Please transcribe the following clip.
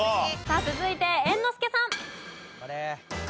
さあ続いて猿之助さん。